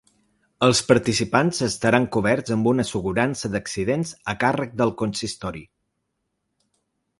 Els participants estaran coberts amb una assegurança d’accidents a càrrec del consistori.